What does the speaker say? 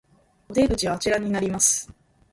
お出口はあちらになります